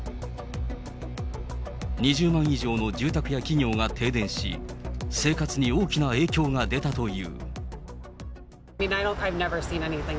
２０万以上の住宅や企業が停電し、生活に大きな影響が出たという。